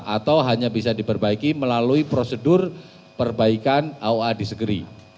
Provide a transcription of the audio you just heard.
atau hanya bisa diperbaiki melalui prosedur perbaikan aoa disagri